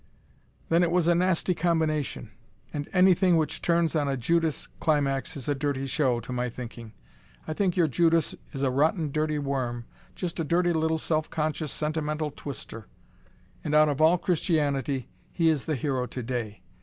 "Then it was a nasty combination. And anything which turns on a Judas climax is a dirty show, to my thinking. I think your Judas is a rotten, dirty worm, just a dirty little self conscious sentimental twister. And out of all Christianity he is the hero today.